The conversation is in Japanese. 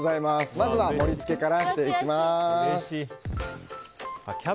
まずは盛り付けからしていきます。